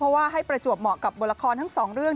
เพราะว่าให้ประจวบเหมาะกับบทละครทั้งสองเรื่อง